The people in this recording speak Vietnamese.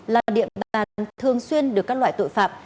là điểm bán thường xuyên được các loại tội phạm